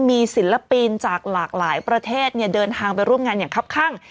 มีศิลปินจากหลากหลายประเทศเดินทางไปร่วมงานอย่างครับข้าง